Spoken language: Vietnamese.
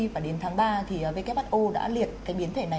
và đến tháng ba thì who đã liệt cái biến thể này